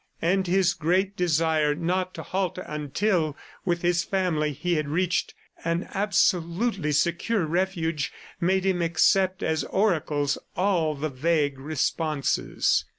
... And his great desire not to halt until, with his family, he had reached an absolutely secure refuge, made him accept as oracles all the vague responses.